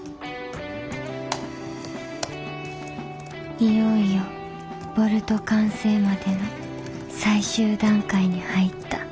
「いよいよボルト完成までの最終段階に入った。